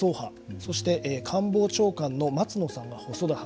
そして官房長官の松野さんが細田派。